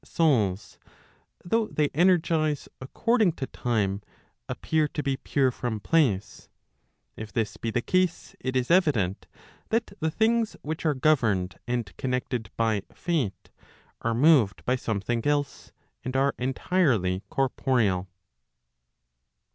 souls] though they energize according to time, appear to be pure from place;—if this be the case, it is evident that the things which are governed and connected by Fate, are moved by some¬ thing else, and arc entirely corporeal.